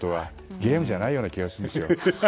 ゲームじゃないような気がするんですよ。